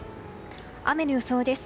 雨の予想です。